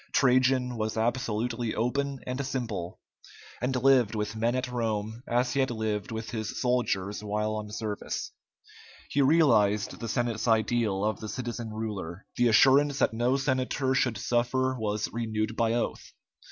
Trajan was absolutely open and simple, and lived with men at Rome as he had lived with his soldiers while on service. He realized the Senate's ideal of the citizen ruler. The assurance that no senator should suffer was renewed by oath.